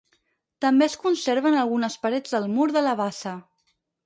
També es conserven algunes parets del mur de la bassa.